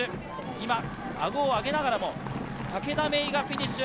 今あごを上げながらも武田芽依がフィニッシュ。